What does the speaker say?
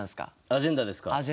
アジェンダですか？